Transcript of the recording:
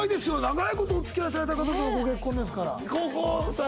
長い事お付き合いされた方とのご結婚ですから。